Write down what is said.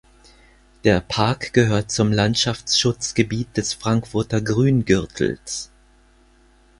Der Park gehört zum Landschaftsschutzgebiet des Frankfurter Grüngürtels.